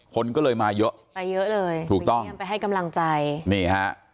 คนก็เลยมาเยอะไปเยอะเลยถูกต้องเยี่ยมไปให้กำลังใจนี่ฮะ